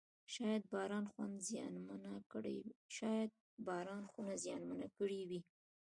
شاید باران خونه زیانمنه کړې وي.